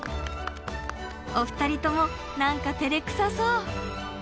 お二人とも何かてれくさそう。